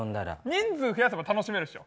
人数増やせば楽しめるっしょ。